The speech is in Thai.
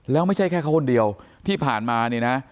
แล้วไม่ใช่แค่เขาคนเดียวที่ผ่านมาเนี่ยนะ